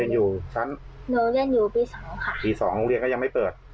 อยู่ชั้นหนูเรียนอยู่ปีสองค่ะปีสองโรงเรียนก็ยังไม่เปิด